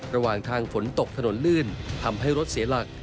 ระหว่างทางฝนตกถนนลื่นทำให้รถเสียหลัก